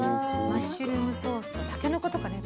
マッシュルームソースとたけのことかね